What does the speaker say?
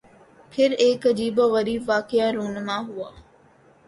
پھر ایک عجیب و غریب واقعہ رُونما ہوا